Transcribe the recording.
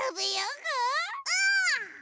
うん！